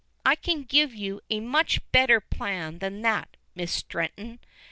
"I can give you a much better plan than that, Miss Stretton.